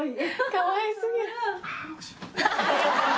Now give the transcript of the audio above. かわい過ぎる。